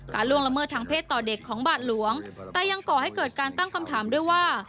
ล่วงละเมิดทางเพศต่อเด็กของบาทหลวงแต่ยังก่อให้เกิดการตั้งคำถามด้วยว่า